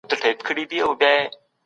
زړګۍ